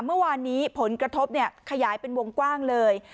เมื่อวานนี้ผลกระทบขยายเป็นวงกว้างเลย